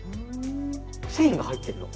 繊維が入ってるの。